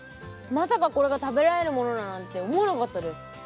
まさかこれが食べられるものだとは思わなかったです。